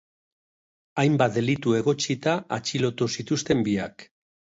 Hainbat delitu egotzita atxilotu zituzten biak.